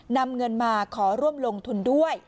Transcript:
นำเงินมาขอร่วมลงทุนด้วย